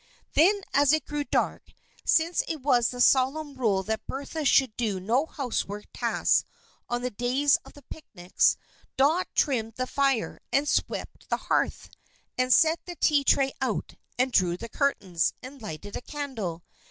Then as it grew dark, since it was the solemn rule that Bertha should do no household tasks on the days of the picnics, Dot trimmed the fire, and swept the hearth, and set the tea tray out, and drew the curtains, and lighted a candle.